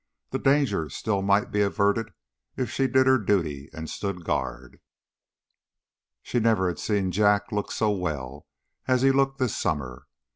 The danger still might be averted if she did her duty and stood guard. She never had seen Jack look so well as he looked this summer.